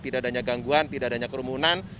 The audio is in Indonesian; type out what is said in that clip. tidak adanya gangguan tidak adanya kerumunan